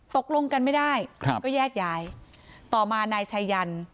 ตกลงกันไม่ได้ครับก็แยกย้ายต่อมานายชายัน